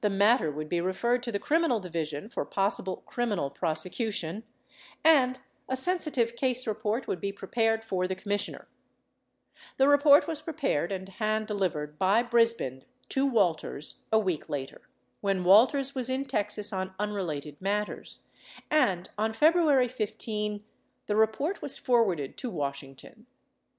7 Hearinas 8157. 86 Phinney retired from the IRS in 1973, 717 would be referred to the Criminal Division for possible criminal prosecution; and a sensitive case report would be prepared for the Commissioner. The report was prepared and hand delivered by Bris bin to Walters a week later, when Walters was in Texas on unrelated matters and, on February 15, the report was forwarded to Washing ton.